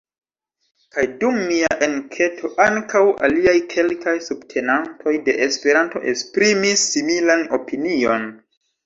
Kaj dum mia enketo, ankaŭ aliaj kelkaj subtenantoj de Esperanto esprimis similan opinion.